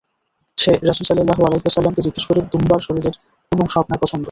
সে রাসূল সাল্লাল্লাহু আলাইহি ওয়াসাল্লাম-কে জিজ্ঞেস করে, দুম্বার শরীরের কোন অংশ আপনার পছন্দ?